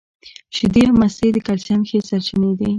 شیدې او مستې د کلسیم ښې سرچینې دي